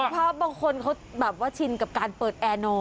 เพราะบางคนเขาแบบว่าชินกับการเปิดแอร์โน